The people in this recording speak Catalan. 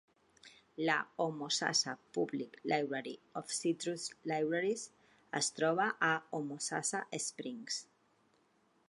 La Homosassa Public Library of Citrus Libraries es troba a Homosassa Springs.